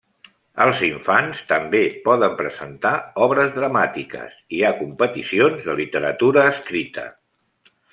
Els infants també poden presentar obres dramàtiques, i hi ha competicions de literatura escrita.